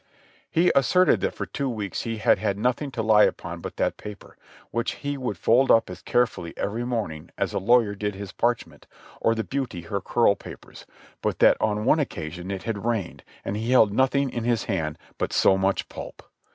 He as serted that for two weeks he had had nothing to lie upon but that paper, which he would fold up as carefully every morning as a lawyer did his parchment or the beauty her curl papers ; but that on one occasion it had rained, and he held nothing in his hand but so much pulp.